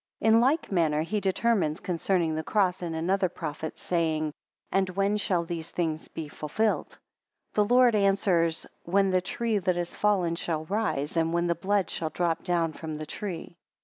IN like manner he determines concerning the cross in another prophet, saying: And when shall these things be fulfilled? 2 The Lord answers: When the tree that is fallen shall rise, and when blood shall drop down from the tree.